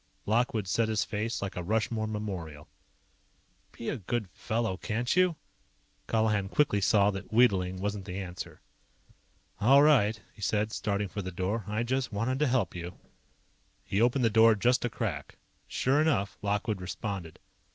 Lockwood set his face like a Rushmore memorial. "Be a good fellow, can't you?" Colihan quickly saw that wheedling wasn't the answer. "All right," he said, starting for the door. "I just wanted to help you." He opened the door just a crack. Sure enough, Lockwood responded.